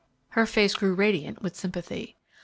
Her face grew radiant with sympathy.